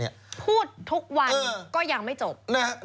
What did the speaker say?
พูดทุกวันก็ยังไม่จบ